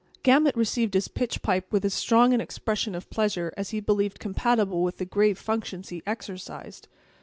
Gamut received his pitch pipe with as strong an expression of pleasure as he believed compatible with the grave functions he exercised.